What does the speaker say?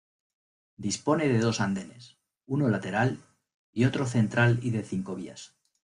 Dispone de dos andenes, uno lateral y otro central y de cinco vías.